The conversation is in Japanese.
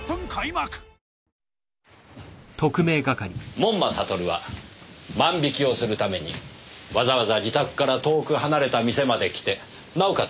門馬悟は万引きをするためにわざわざ自宅から遠く離れた店まで来てなおかつ